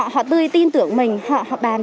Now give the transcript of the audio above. họ tươi tin tưởng mình họ bàn